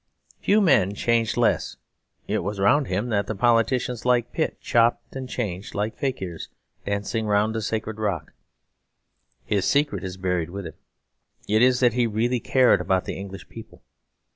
Few men changed less; it was round him that the politicians like Pitt chopped and changed, like fakirs dancing round a sacred rock. His secret is buried with him; it is that he really cared about the English people.